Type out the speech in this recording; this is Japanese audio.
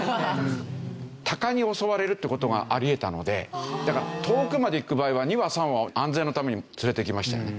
タカに襲われるって事があり得たのでだから遠くまで行く場合は２羽３羽を安全のために連れていきましたよね。